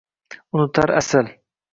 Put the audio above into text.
Unutar asl